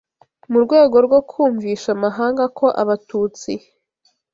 mu rwego rwo kumvisha amahanga ko Abatutsi